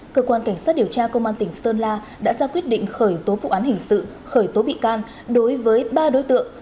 cơ quan cảnh sát điều tra công an tỉnh sơn la đã ra quyết định khởi tố vụ án hình sự khởi tố bị can đối với ba đối tượng